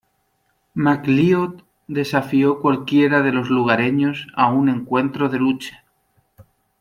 McLeod desafió a cualquiera de los lugareños a un encuentro de lucha.